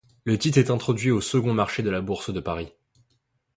Le titre est introduit au second marché de la Bourse de Paris.